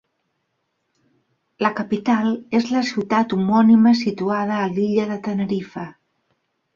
La capital és la ciutat homònima situada a l'illa de Tenerife.